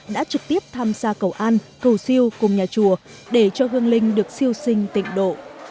đã trực tiếp tham gia cầu an cầu siêu cùng nhà chùa để cho hương linh được siêu sinh tịnh độ